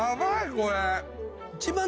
これ。